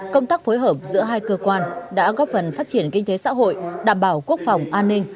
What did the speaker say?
công tác phối hợp giữa hai cơ quan đã góp phần phát triển kinh tế xã hội đảm bảo quốc phòng an ninh